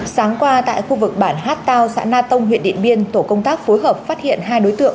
sáng qua tại khu vực bản hát tao xã na tông huyện điện biên tổ công tác phối hợp phát hiện hai đối tượng